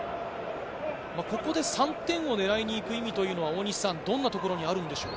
ここで３点を狙いに行く意味というのは、どんなところにあるんでしょう？